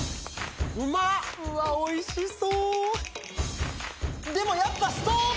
うわおいしそ。